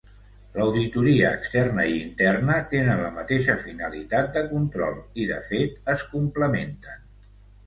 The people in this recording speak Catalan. L'auditoria externa i interna tenen la mateixa finalitat de control i de fet es complementen.